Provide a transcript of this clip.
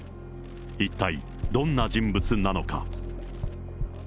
一体どんな人物なのか。